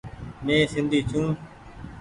مين سندي ڇون۔